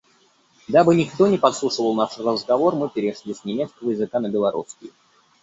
Дабы никто не подслушивал наш разговор, мы перешли с немецкого языка на белорусский.